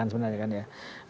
sebenarnya kan ya